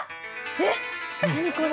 えっ何これ？